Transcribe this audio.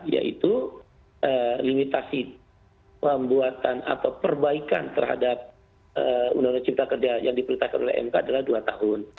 yaitu limitasi pembuatan atau perbaikan terhadap undang undang cipta kerja yang diperintahkan oleh mk adalah dua tahun